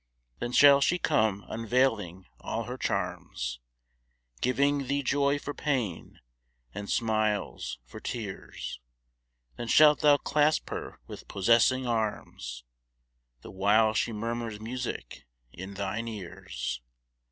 Then shall she come unveiling all her charms, Giving thee joy for pain, and smiles for tears; Then shalt thou clasp her with possessing arms, The while she murmurs music in thine ears.